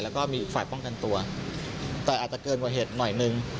แล้วก็มีอีกฝ่ายป้องกันตัวแต่อาจจะเกินกว่าเหตุหน่อยหนึ่ง